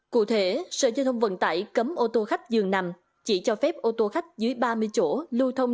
cụ thể sở giao thông vận tải cấm ô tô khách dường nằm chỉ cho phép ô tô khách dưới ba mươi chỗ lưu thông